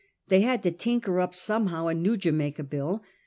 They bad to tinker up somehow a new Jamaica Bill.